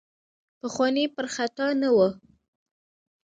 پخواني پر خطا نه وو.